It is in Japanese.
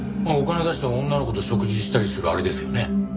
お金出して女の子と食事したりするあれですよね？